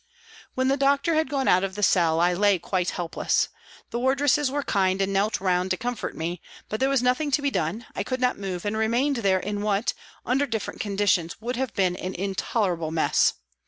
When the doctor had gone out of the cell, I lay quite helpless. The wardresses were kind and knelt round to comfort me, but there was nothing to be done, I could not move, and remained there in what, under different conditions, would have been an intolerable mess.